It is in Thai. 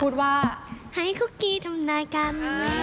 พูดว่าให้คุกกี้ทำนายกัน